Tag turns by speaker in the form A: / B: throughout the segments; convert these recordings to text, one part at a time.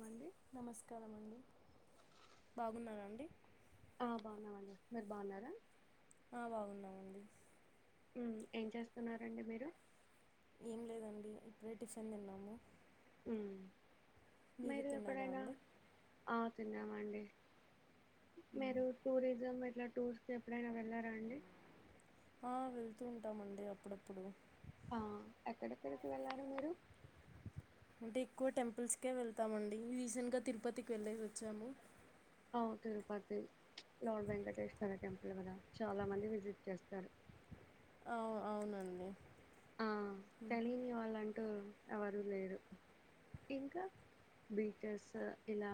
A: Wall
B: నమస్కార అండి బాగున్నారా అండి
A: ఆ బాగున్నామండి మీరు బాగున్నారా
B: ఆ బాగుంనమండి
A: హమ్ ఏం చేస్తున్నారంండి మీరు
B: ఏం లేదండి ఇప్పుడే టిసన్ తిన్నాము
A: ఉమ్
B: మీరు తిన్నారా
A: మీరుగాప్పుడనా
B: అండి
A: ఆ తన్నా వడి
B: మ్మ్.
A: మీరు టూరిజం ఎట్లా టూర్స్కి ఎప్పుడైనా వెళ్ళారాన్డి
B: ఆ వెళ్తూ ఉంటామండి అప్పుడప్పుడు
A: ఆ ఎక్కడెక్కడకి వెళ్ళారు మీరు
B: అంటే ఎక్కువ టెంపుల్స్కే వెళ్తామన్డి రీసెంట్గా తిరుపతికి వెళ్ళేసి వచ్చాము
A: ఆ తిరుపతి లార్డ్ వెంకటేశ్వర టెంపుల్ గదా చాలా మంది విజిట్ చేస్తారు
B: అవ్ అవునన్డి
A: ఆ తెలియని వాళ్ళన్టే టూ ఎవరులేరు ఇంకా బీచెస్ ఇలా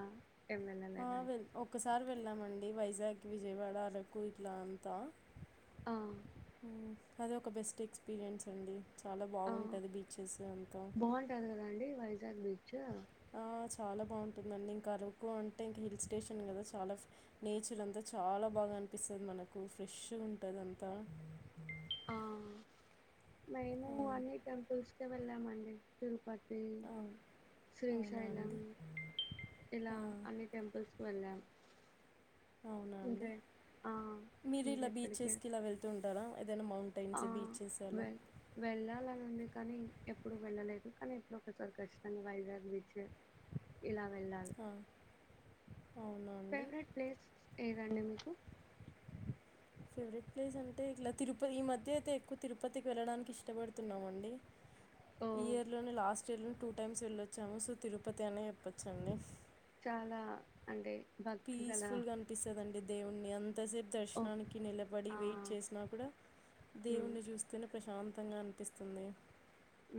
A: ఏం
B: ఆ
A: వెళ్ళలేదండి
B: వెల్ ఒక స్ సార్ వెళ్ళామన్డి వైజాగ్ విజయవాడ అరకు ఇట్లా అంతా
A: ఆ
B: ఉమ్ అదే ఒక బెస్ట్ ఎక్స్పీరియన్స్నండి చాలా
A: ఆ
B: బాగుంటది బీచెస్ అంతా
A: గ్ బీచు
B: ఆ చాలా బావుటుందన్డి ఇంకా అరకు అంటే ఇంకా హిల్ స్టేషన్ గదా చాలా నేచర్ అంతా చాలా బాగా అనిపిస్తున్ది మనకు ఫ్రెష్గుంటది అంతా
A: ఆ మేము అన్ని టెంపుల్స్క్ వెళ్ళమండి తిరుపత్ త్ ఉమ్
B: అవును అవునా
A: శ్రీశైలం
B: అండి
A: ఇలా
B: ఆ,
A: అన్ని టెంపుల్స్ క్ వెళ్ళమ్
B: అవునా అన్డి మీరు ఇలా
A: ఇంకెక్కడికి
B: బీచెస్కి ఇలా వెళ్తూంటారా
A: ఆ వె వెళ్ళాలని వుంది కానీ ఎప్పుడు వెళ్ళలేదు కానీ ఎప్పుడు ఒకచారి ఖచ్చితంగా వైజాగ్ బీచ్కి ఇలా వెళ్ళాలి
B: ఆ, అవునా అండి
A: ఫెవ్రెట్ ప్లేస్ ఎదండీ మీకు
B: ఫేవరెట్ ప్లేస్ అంటే ఇట్ల తిరుప ఈ మధ్య అయితే ఎక్కువ తిరుపతికి వెళ్ళడాన్కి ఇష్టపడుతున్నామన్డి
A: ఓ
B: ఈ ఇయర్లోనే లాస్ట్ చెలుమ్ టూ టైమ్స్ వెళ్ళొచ్చాము సో తిరుపతి అనే చెప్పొచన్డి
A: చాలా అంటే భక్తి గల
B: పీస్ఫుల్ గా అనిపిస్తదండి దేవున్నీ అంత తసేపు
A: ఓ
B: దర్శనానికి నిలబడి
A: ఆ
B: వెయిట్ చేసినా కూడా
A: ఉమ్
B: దేవుణ్ణి చూస్తూనే ప్రశాంత అద్భతంగా అనిపిస్తుంది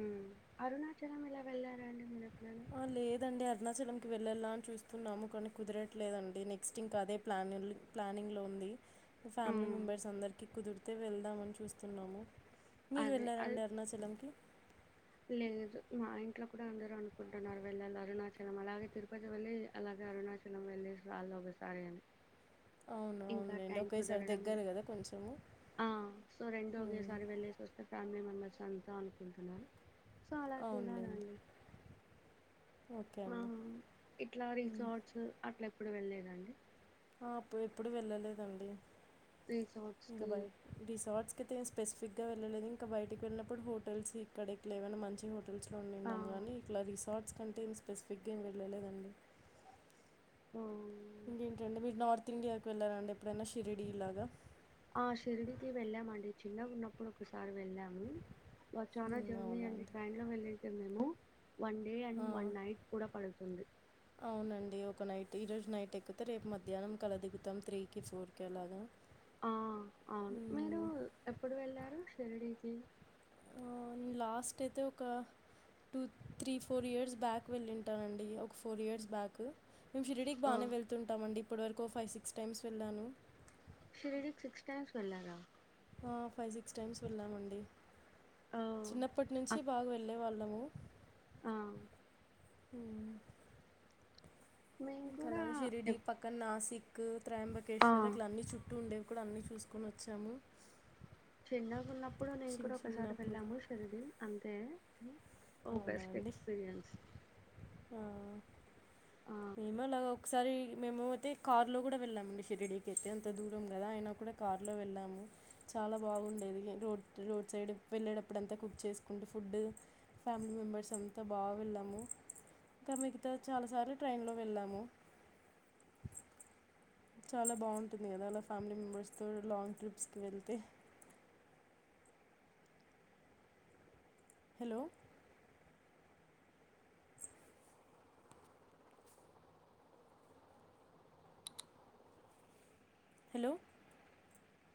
A: ఉమ్ అరుణాచలం ఎలా వెళ్లారండి మీరు ఎప్పుడైనా
B: ఆ లేదండి అరుణచలమ్ కు వెల్లెలా అని చూస్తున్నాము కానీ కుదరట్లేదన్డి నెక్స్ట్ ఇంకా అదే ప్లానిల్ ప్లానింగ్లో ఉంది ఫ్యామిలీ
A: ఉమ్
B: మెంబర్స్ అందర్కి కుదుర్ తే వెళ్దామని చూస్తున్నాము మీరు
A: అదే అది
B: వెళ్ళారండి అరుణాచలంకి
A: లేదు మా ఇంట్లో కూడా అందరూ అనుకుంటున్నారు వెళ్ళాల అరుణాచలం అలాగే తిరుపతి వెళ్ళలి అలాగే అరుణాచలం వెళ్ళిసి రాళ్ళ ఒకసారి అని
B: అవును
A: ఇంకా
B: అవునులేండి
A: ట్యాంకు
B: ఒకేసారి
A: ధరడం
B: దగ్గర కదా కొంచెము
A: ఆ సో రెండు
B: ఉమ్,
A: ఒకేసారి వెళ్ళసి వస్తే ఫ్యాన్లీ మ అంతా అనుకుంటున్నారు చాలా
B: అవునులేండి
A: చూలాలండి
B: ఓకే
A: ఆ
B: అండి
A: ఇట్లా
B: ఉమ్,
A: రిసార్ట్స్ అట్లా ఎప్పుడు వెళ్ళలేద అండి
B: ప్పు ఎప్పుడు వెళ్ళలేదండి
A: రిసార్ట్స్ కి
B: దుబాయ్ రిసర్ట్స్ ఇతే స్పెసిఫిక్గా వెళ్లేదు ఇంకా బయటికి వెళ్ళినప్పుడు హోటల్స్ ఇక్కడెక్క లే ఏన్నా మంచిగా హో లో
A: ఆ
B: నిన్నాం కాని ఇట్లా రిసార్ట్స్ అంటే ఏం స్పెసిఫిక్గా ఏం వెళ్ళలేదండి
A: ఓ
B: ఇండియాకు వెళ్ళారండి ఎప్పుడైనా షిరిడి ఇలాగా
A: ఆ షిరిడికి వెళ్ళామండి చిన్నగా ఉన్నప్పుడు ఒకసారి వెళ్ళాము బ చాలా
B: మ్మ్,
A: జర్నీ
B: అవునా
A: అండి ట్రైన్ లో వెళ్ళింటిమి మేము వన్ డే అండ్
B: ఆ,
A: వన్ నైట్ కూడా పడుతుంది
B: అవునండి ఒక నైట్ ఈరోజు నైట్ ఎక్కుతే రేపు మధ్యాహ్నం కల దిగుతాం త్రీకి ఫోర్కి అలాగా
A: ఆ అవును మీరు
B: మ్మ్,
A: ఎప్పుడు వెళ్లారు షిరిడి ఇ
B: నేను లాస్ట్ అయితే ఒక two three four years back వెళ్ళింటానండి ఒక ఫోర్ ఇయర్స్ బ్యాక్ మేము షిరిడీ కి
A: ఆ
B: బానే వెళ్తుంటామండి ఇప్పుడివరకు ఓ ఫైవ్ సిక్స్ టైమ్స్ వెళ్ళాను.
A: షిరిడీక్ సిక్స్ టైమ్స్ వెళ్ళారా.
B: ఆ ఫైవ్ సిక్స్ టైమ్స్ వెళ్ళామండి.
A: ఆ
B: చిన్నప్పట్ నుంచి బాగ్ వెళ్ళే వాళ్ళ్. నము
A: ఆ
B: ఉమ్
A: మేము
B: ఉమ్
A: కూడా
B: కలాగ షిరిడి
A: ఎప్
B: పక్కన నాసి. క్
A: ఆ
B: త్రయంబకేశ్వర్ అట్లన్ని చుట్టూ ఉండేవ్. కూడన్ని చూస్కొనొచ్చాము
A: చిన్నగున్నప్పుడు నేన్ కూడా ఒకసారి
B: షింగ్నాపూర్
A: వెళ్ళాము షిరిడి అంతే. హ ఒ బెస్ట్ ఎక్స్పీరియన్స్.
B: హా
A: ఆ
B: ఏమో [unintelligible] ఒక్సారి మేము తే కార్లో కూడా వెళ్ళామండి షిరడీకైతే అంత దూరం గదా ఐనా కూడా కార్లో వెళ్ళాము చాలా బాగుండేది రోడ్ రోడ్ సైడ్ వెళ్ళేటప్పుడంతా కుక్ చేసుకుంటు ఫుడ్డ్ ఫ్యామిలీ మెంబెర్సంతా బాగ వెళ్ళాము. ఇంక మిగతా చాలాసార్లు ట్రైన్లో వెళ్ళాము. చాలా బాగుంటుంది గదా అలా ఫ్యామిలీ మెంబర్స్తో లాంగ్ ట్రిప్స్ కి వెళ్తే. Hello hello